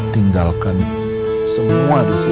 tinggalkan semua di sini